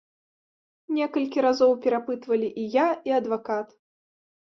Некалькі разоў перапытвалі і я, і адвакат.